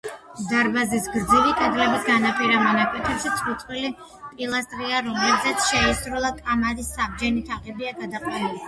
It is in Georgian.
დარბაზის გრძივი კედლების განაპირა მონაკვეთებში წყვილ-წყვილი პილასტრია, რომლებზეც შეისრული კამარის საბჯენი თაღებია გადაყვანილი.